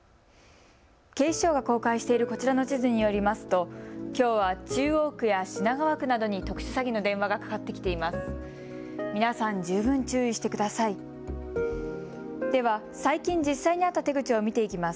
警視庁が公開しているこちらの地図によりますときょうは中央区や品川区などに特殊詐欺の電話がかかってきています。